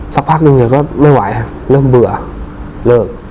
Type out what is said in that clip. สักพักนึงเนี่ยก็ไม่ไหวเริ่มเบื่อเลิก